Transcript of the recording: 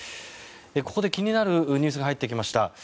ここで気になるニュースが入ってきました。